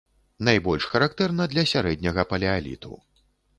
Найбольш характэрна для сярэдняга палеаліту.